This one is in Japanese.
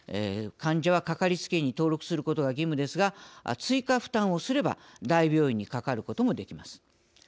患者は、かかりつけ医に登録することが義務ですが追加負担をすれば大病院にかかることもできます。